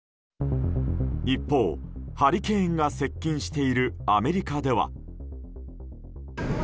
一方、ハリケーンが接近しているアメリカでは。